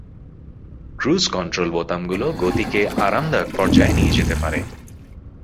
Cruise control বোতামগুলো গতিকে আরামদায়ক পর্যায়ে নিয়ে যেতে পারে।